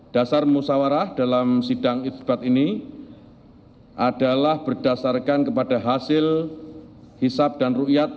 dasar musawarah dalam sidang isbat ini adalah berdasarkan kepada hasil hisap dan rukyat